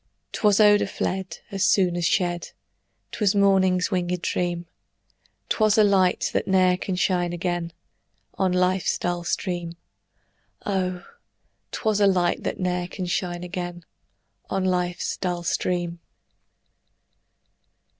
'Twas odor fled As soon as shed; 'Twas morning's winged dream; 'Twas a light, that ne'er can shine again On life's dull stream: Oh! 'twas light that ne'er can shine again On life's dull stream.